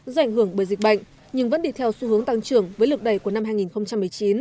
do ảnh hưởng bởi dịch bệnh nhưng vẫn đi theo xu hướng tăng trưởng với lực đầy của năm hai nghìn một mươi chín